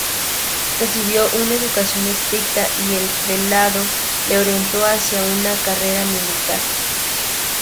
Recibió una educación estricta y el prelado le orientó hacia una carrera militar.